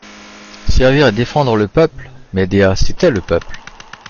Servir et défendre le peuple? mais Dea, c’était le peuple!